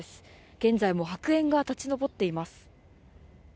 現在も白煙が立ち上っています。